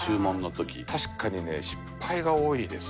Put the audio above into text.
確かにね失敗が多いです。